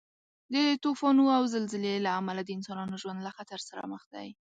د طوفانو او زلزلې له امله د انسانانو ژوند له خطر سره مخ دی.